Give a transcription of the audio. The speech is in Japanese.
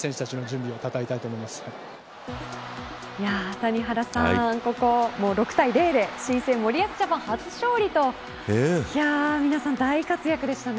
谷原さん６−０で新生森保ジャパン初勝利皆さん、大活躍でしたね。